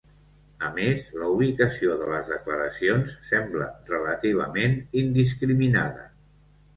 A més, la ubicació de les declaracions sembla relativament indiscriminada.